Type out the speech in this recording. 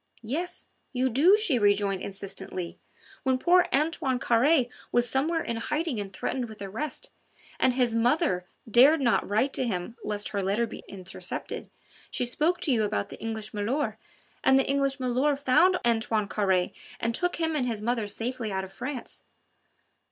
"Yes, you do," she rejoined insistently. "When poor Antoine Carre was somewhere in hiding and threatened with arrest, and his mother dared not write to him lest her letter be intercepted, she spoke to you about the English milor', and the English milor' found Antoine Carre and took him and his mother safely out of France.